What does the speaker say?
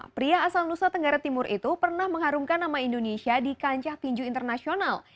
pria asal nusa tenggara timur itu pernah mengharumkan nama indonesia di kancah tinju internasional